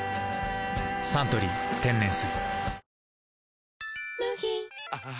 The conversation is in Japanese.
「サントリー天然水」